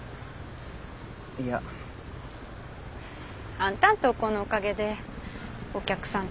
いや。あんたんとうこうのおかげでおきゃくさん